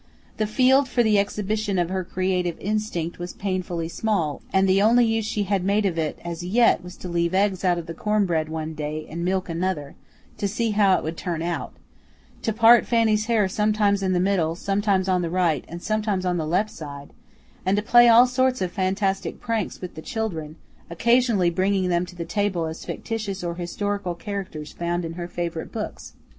The field for the exhibition of her creative instinct was painfully small, and the only use she had made of it as yet was to leave eggs out of the corn bread one day and milk another, to see how it would turn out; to part Fanny's hair sometimes in the middle, sometimes on the right, and sometimes on the left side; and to play all sorts of fantastic pranks with the children, occasionally bringing them to the table as fictitious or historical characters found in her favorite books.